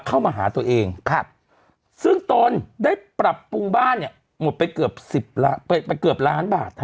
เข้ามาหาตัวเองซึ่งตนได้ปรับปรุงบ้านเนี่ยหมดไปเกือบล้านบาท